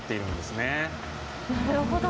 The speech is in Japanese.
なるほど。